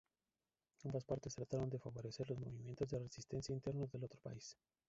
Ambas partes trataron de favorecer los movimientos de resistencia internos del otro país.